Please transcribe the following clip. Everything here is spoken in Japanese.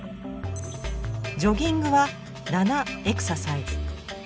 ジョギングは７エクササイズ。